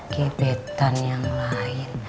gebetan yang lain